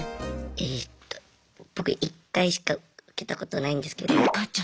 えと僕１回しか受けたことないんですけど。